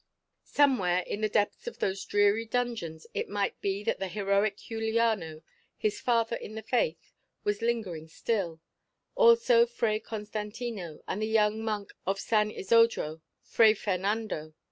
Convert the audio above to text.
Somewhere in the depths of those dreary dungeons it might be that the heroic Juliano, his father in the faith, was lingering still; and also Fray Constantino, and the young monk of San Isodro, Fray Fernando.